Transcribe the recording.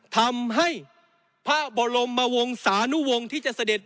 ทำให้ผ้าบรมมวงสานุวงที่จะเสด็จ